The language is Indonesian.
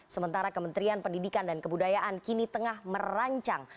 sementara kementerian pendidikan dan kebudayaan kini tengah merancang